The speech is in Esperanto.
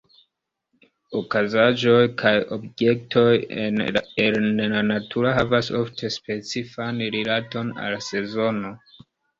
Okazaĵoj kaj objektoj en la naturo havas ofte specifan rilaton al sezono.